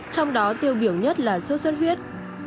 trong đó tiêu biểu nhất là sốt xuất huyết